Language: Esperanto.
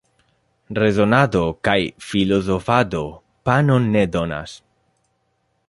Rezonado kaj filozofado panon ne donas.